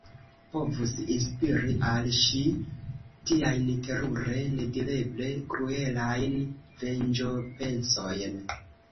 povus inspiri al ŝi tiajn terure, nedireble kruelajn venĝopensojn?